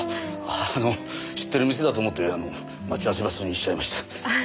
あの知ってる店だと思って待ち合わせ場所にしちゃいました。